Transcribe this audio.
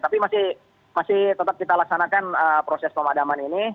tapi masih tetap kita laksanakan proses pemadaman ini